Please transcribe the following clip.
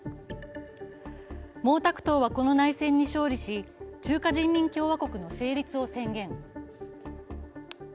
毛沢東は、この内戦に勝利し、中華人民共和国の成立を宣言。